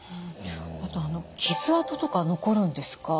あと傷あととか残るんですか？